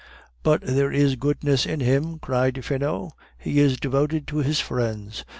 "But there is goodness in him," cried Finot; "he is devoted to his friends.